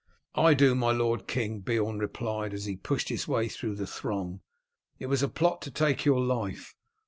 "I do, my lord king," Beorn replied as he pushed his way through the throng. "It was a plot to take your life.